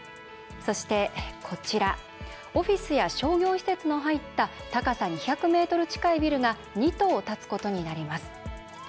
そして、こちらオフィスや商業施設の入った高さ２００ｍ近いビルが２棟建つことになります。